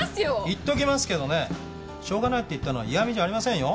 言っときますけどねしょうがないって言ったのは嫌みじゃありませんよ。